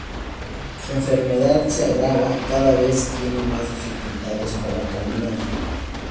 Su enfermedad se agrava, cada vez tiene más dificultades para caminar.